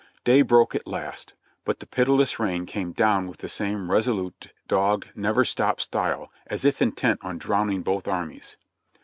Day broke at last, but the pitiless rain came down with the same resolute, dogged, never stop style, as if intent on drowning both armies.